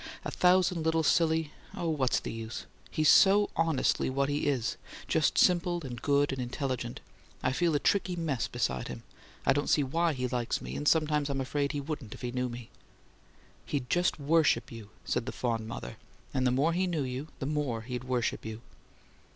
"A thousand little silly oh, what's the use? He's so honestly what he is just simple and good and intelligent I feel a tricky mess beside him! I don't see why he likes me; and sometimes I'm afraid he wouldn't if he knew me." "He'd just worship you," said the fond mother. "And the more he knew you, the more he'd worship you."